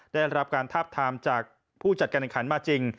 ได้รับการทาบทามจากผู้จัดการแข่งขันมาจริง